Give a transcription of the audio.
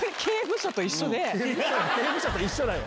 刑務所と一緒だよ。